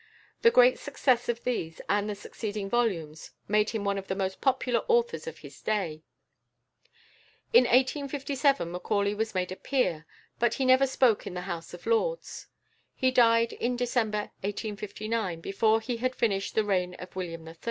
The great success of these and the succeeding volumes made him one of the most popular authors of his day. In 1857 Macaulay was made a Peer, but he never spoke in the House of Lords. He died in December 1859, before he had finished the "Reign of William III.